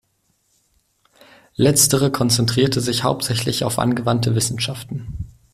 Letztere konzentrierte sich hauptsächlich auf angewandte Wissenschaften.